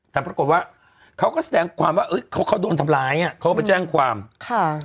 แต่ปรากฏว่าเขาก็แสดงความว่าเอ้ยเขาเขาโดนทำร้ายอ่ะเขาก็ไปแจ้งความค่ะ